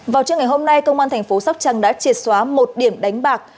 vào trước ngày hôm nay công an tp sóc trăng đã triệt xóa một điểm đánh bạc